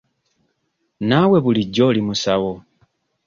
Naawe bulijjo oli musawo?